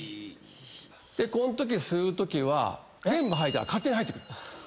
こんとき吸うときは全部吐いたら勝手に入ってくる。